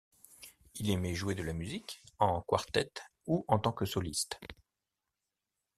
Il aimait jouer de la musique en quartet ou en tant que soliste.